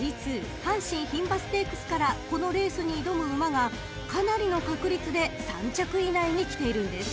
阪神牝馬ステークスからこのレースに挑む馬がかなりの確率で３着以内にきているんです］